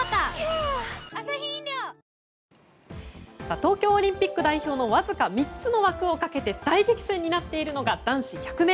東京オリンピック代表のわずか３つの枠をかけて大激戦になっているのが男子１００ｍ。